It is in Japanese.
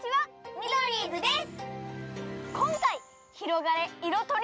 ミドリーズです！